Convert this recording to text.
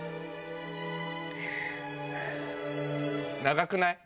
長くない？